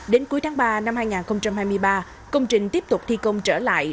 đến cuối tháng ba năm hai nghìn hai mươi ba công trình tiếp tục thi công trở lại